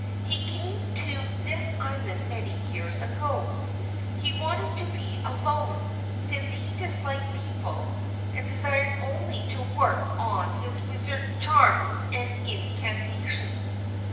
He came to this island many years ago. He wanted to be alone, since he disliked people and desired only to work on his wizard charms and incantations.